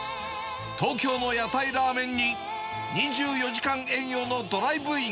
東京の屋台ラーメンに、２４時間営業のドライブイン。